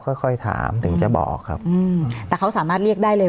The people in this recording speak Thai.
ค่อยค่อยถามถึงจะบอกครับอืมแต่เขาสามารถเรียกได้เลย